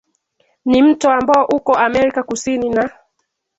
Ni mto ambao uko Amerika Kusini na